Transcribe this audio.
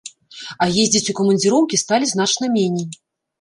А ездзіць у камандзіроўкі сталі значна меней!